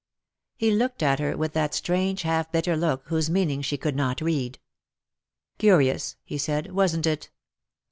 He looked at her with that strange half bitter look whose meaning she could not read. " Curious," he said, " wasn't it?